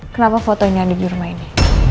kenapa foto ini ada di rumah ini